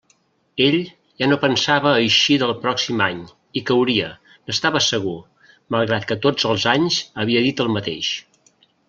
Ell ja no pensava eixir del pròxim any; hi cauria, n'estava segur, malgrat que tots els anys havia dit el mateix.